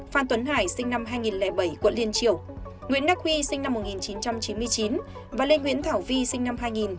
phan tuấn hải sinh năm hai nghìn bảy quận liên triều nguyễn đắc huy sinh năm một nghìn chín trăm chín mươi chín và lê nguyễn thảo vi sinh năm hai nghìn